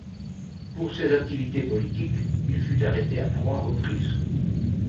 Pour ces activités politiques, il fut arrêté à trois reprises.